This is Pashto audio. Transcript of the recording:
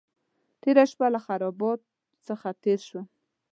تېره شپه له خرابات څخه تېر شوم.